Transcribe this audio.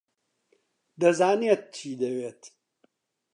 دەزانێت چی دەوێت.